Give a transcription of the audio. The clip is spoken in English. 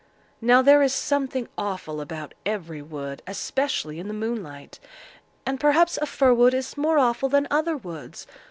Now there is something awful about every wood, especially in the moonlight; and perhaps a fir wood is more awful than other woods.